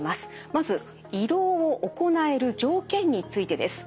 まず胃ろうを行える条件についてです。